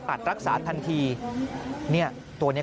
ตอนนี้ขอเอาผิดถึงที่สุดยืนยันแบบนี้